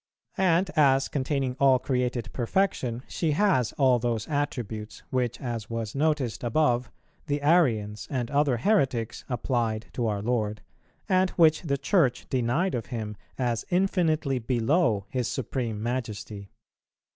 And as containing all created perfection, she has all those attributes, which, as was noticed above, the Arians and other heretics applied to our Lord, and which the Church denied of Him as infinitely below His Supreme Majesty.